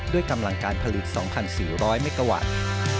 ด้วยกำลังการผลิต๒๔๐๐เมกาวัตต์